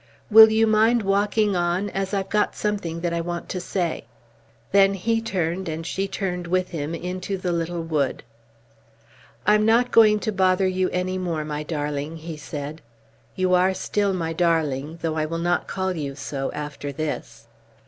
Will you mind walking on, as I've got something that I want to say?" Then he turned and she turned with him into the little wood. "I'm not going to bother you any more, my darling," he said. "You are still my darling, though I will not call you so after this."